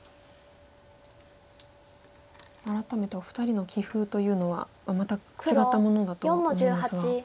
改めてお二人の棋風というのはまた違ったものだと思うんですが。